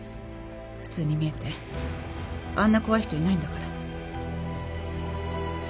普通に見えてあんな怖い人いないんだから。